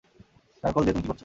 Darkhold দিয়ে তুমি কী করছো?